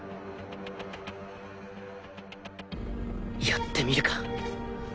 やってみるか